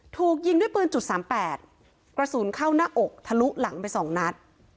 ถูกยิงด้วยปืนจุดสามแปดกระสุนเข้าหน้าอกทะลุหลังไปสองนัด